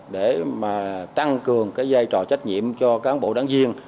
để mà tăng cường cái giai trò trách nhiệm cho cán bộ đáng viên